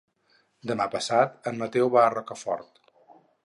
Demà passat en Mateu va a Rocafort.